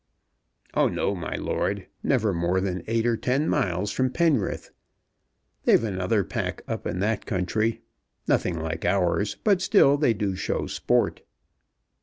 "Oh, no, my lord; never more than eight or ten miles from Penrith. They've another pack up in that country; nothing like ours, but still they do show sport.